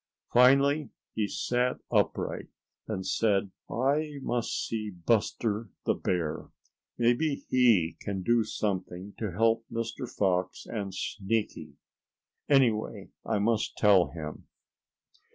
Finally, he sat upright, and said: "I must see Buster the Bear. Maybe he can do something to help Mr. Fox and Sneaky. Anyway I must tell him."